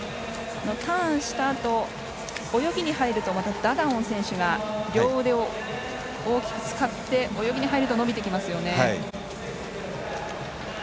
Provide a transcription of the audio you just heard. ターンしたあと泳ぎに入るとダダオン選手が両腕を大きく使って泳ぎに入ると伸びてきますよね。